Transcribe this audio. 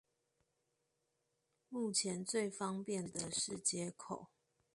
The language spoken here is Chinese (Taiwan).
目前最方便的是街口